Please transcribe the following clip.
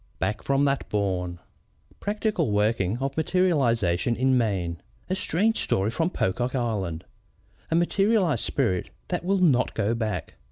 Back from That Bourne ANONYMOUS _Practical Working of Materialization in Maine. A Strange Story from Pocock Island A Materialized Spirit that Will not Go back.